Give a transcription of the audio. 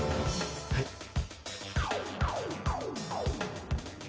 はい。